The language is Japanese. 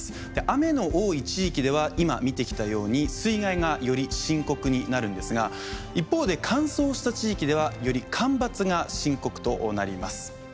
雨の多い地域では今見てきたように水害がより深刻になるんですが一方で乾燥した地域ではより干ばつが深刻となります。